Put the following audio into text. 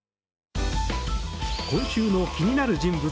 今週の気になる人物